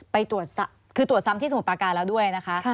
คือตรวจซ้ำที่สมุทรปาการแล้วด้วยนะคะ